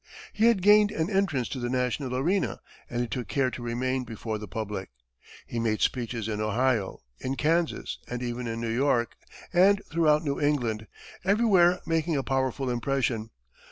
He had gained an entrance to the national arena, and he took care to remain before the public. He made speeches in Ohio, in Kansas, and even in New York and throughout New England, everywhere making a powerful impression.